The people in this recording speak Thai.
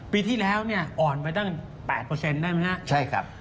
ปีที่แล้วเนี่ยอ่อนไปตั้ง๘ได้ไหมฮะใช่ครับ